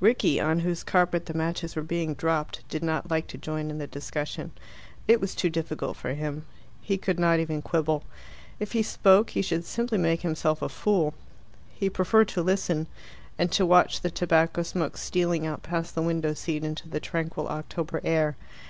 Rickie, on whose carpet the matches were being dropped, did not like to join in the discussion. It was too difficult for him. He could not even quibble. If he spoke, he should simply make himself a fool. He preferred to listen, and to watch the tobacco smoke stealing out past the window seat into the tranquil October air.